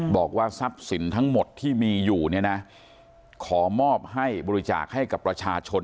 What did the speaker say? บอกว่าทรัพย์สินทั้งหมดที่มีอยู่เนี่ยนะขอมอบให้บริจาคให้กับประชาชน